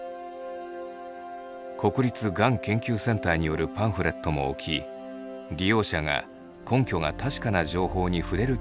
国立がん研究センターによるパンフレットも置き利用者が根拠が確かな情報にふれる